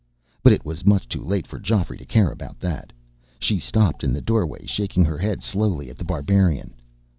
But it was much too late for Geoffrey to care about that. She stopped in the doorway, shaking her head slowly at The Barbarian.